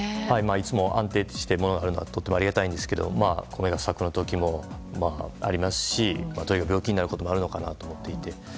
いつも安定して物が入るのはとてもありがたいんですけど米が不作の時もありますし鳥が病気になることもあるのかなと思っていて。